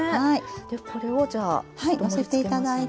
でこれをじゃあ盛りつけますね。